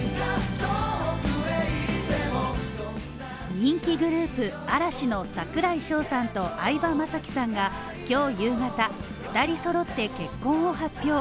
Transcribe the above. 人気グループ嵐の櫻井翔さんと相葉雅紀さんが今日夕方、２人揃って結婚を発表。